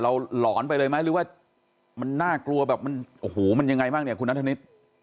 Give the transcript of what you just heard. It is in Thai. หลอนไปเลยไหมหรือว่ามันน่ากลัวแบบมันโอ้โหมันยังไงบ้างเนี่ยคุณนัทธนิษฐ์